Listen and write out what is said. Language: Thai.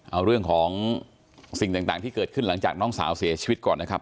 เอาเรื่องของสิ่งต่างที่เกิดขึ้นหลังจากน้องสาวเสียชีวิตก่อนนะครับ